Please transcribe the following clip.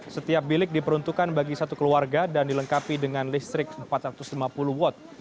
setiap bilik diperuntukkan bagi satu keluarga dan dilengkapi dengan listrik empat ratus lima puluh watt